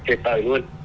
tuyệt vời luôn